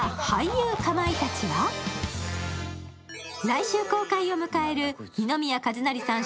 来週公開を迎える二宮和也さん